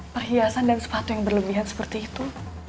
perhiasan dan sepatu yang berlebihan seperti itu